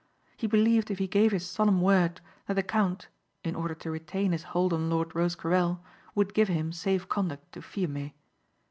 He believed if he gave his solemn word that the count in order to retain his hold on Lord Rosecarrel would give him safe conduct to Fiume.